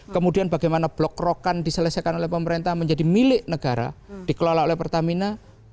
kemudian bagaimana blok rokan diselesaikan oleh pemerintah menjadi milik negara dikelola oleh pertamina